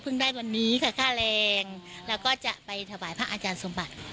ได้วันนี้ค่ะค่าแรงแล้วก็จะไปถวายพระอาจารย์สมบัติ